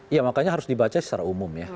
ya makanya harus dibaca secara umum ya